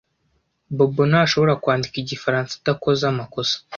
Bobo ntashobora kwandika igifaransa adakoze amakosa.